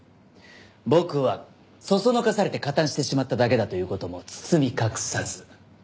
僕は唆されて加担してしまっただけだという事も包み隠さず。